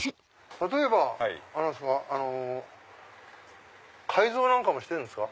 例えば改造なんかもしてるんですか？